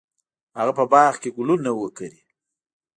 هغه په باغ کې ګلونه وکري.